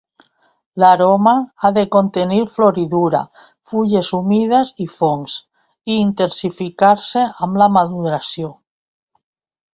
L'aroma ha de contenir floridura, fulles humides i fongs, i intensificar-se amb la maduració.